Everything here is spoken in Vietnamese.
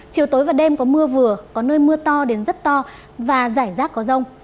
chiều tối và đêm có mưa vừa có nơi mưa to đến rất to và rải rác có rông